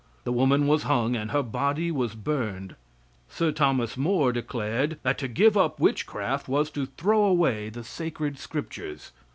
The woman was hung and her body was burned. Sir Thomas Moore declared that to give up witchcraft was to throw away the sacred scriptures.